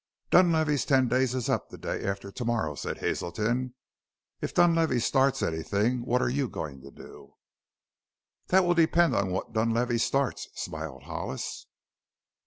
"Dunlavey's ten days is up the day after tomorrow," said Hazelton. "If Dunlavey starts anything what are you going to do?" "That will depend on what Dunlavey starts," smiled Hollis.